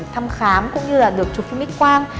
thăm khám cũng như là được chụp phim ít quan